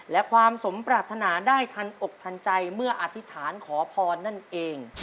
และความสมปรารถนาได้ทันอกทันใจเมื่ออธิษฐานขอพรนั่นเอง